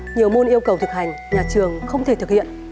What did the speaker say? nhiều môn yêu cầu thực hành nhà trường không thể thực hiện